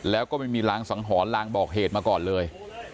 แล้วก็ไม่มีรางสังหรณ์ลางบอกเหตุมาก่อนเลย